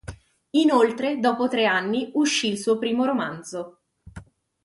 Inoltre, dopo tre anni uscì il suo primo romanzo.